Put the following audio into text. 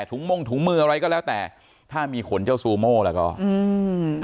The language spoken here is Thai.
มงถุงมืออะไรก็แล้วแต่ถ้ามีขนเจ้าซูโม่แล้วก็อืม